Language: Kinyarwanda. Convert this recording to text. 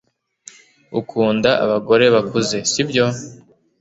Ukunda abagore bakuze, sibyo?